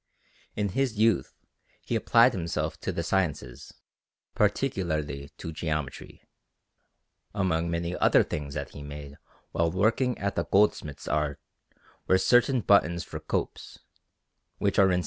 In his youth he applied himself to the sciences, particularly to geometry. Among many other things that he made while working at the goldsmith's art were certain buttons for copes, which are in S.